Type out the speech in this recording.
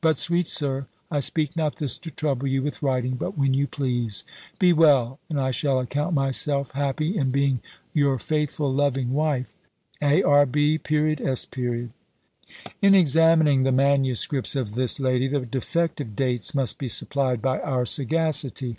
But, sweet sir, I speak not this to trouble you with writing but when you please. Be well, and I shall account myself happy in being "Your faithful loving wife, "ARB. S." In examining the manuscripts of this lady, the defect of dates must be supplied by our sagacity.